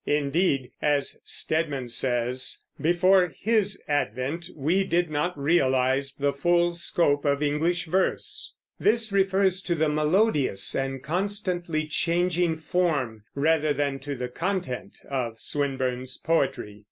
Indeed, as Stedman says, "before his advent we did not realize the full scope of English verse." This refers to the melodious and constantly changing form rather than to the content of Swinburne's poetry.